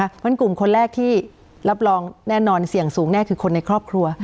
เพราะฉะนั้นกลุ่มคนแรกที่รับรองแน่นอนเสี่ยงสูงแน่คือคนในครอบครัว